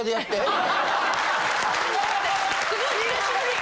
すごい久しぶり。